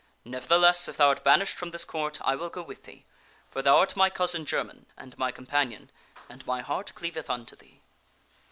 Nevertheless, if thou art banished from this Court, I will go with thee, for thou art my cousin german and my companion, and my heart cleaveth unto thee."